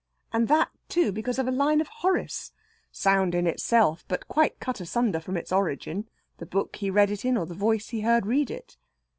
And that, too, because of a line of Horace! sound in itself, but quite cut asunder from its origin, the book he read it in, or the voice he heard read it.